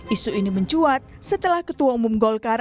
isu ini mencuat setelah ketua umum golkar